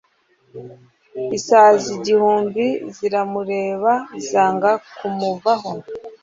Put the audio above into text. isazi igihumbi ziramureba, zanga kumuvaho